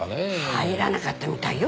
入らなかったみたいよ